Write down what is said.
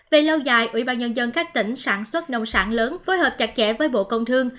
về lâu dài ủy ban nhân dân các tỉnh sản xuất nông sản lớn phối hợp chặt chẽ với bộ công thương